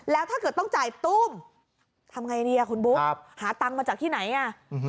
แล้วถ้าเกิดต้องจ่ายตุ้มทำไงดีอ่ะคุณบุ๊คหาตังค์มาจากที่ไหนอ่ะ